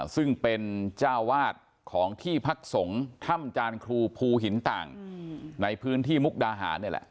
ซึ่งเป็นเจ้าวาดของที่พักสงฆ์ถ้ำจานครูภูหินต่างในพื้นที่มุกดาหารนี่แหละ